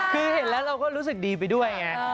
คือเห็นแล้วเราก็รู้สึกดีไปด้วยไง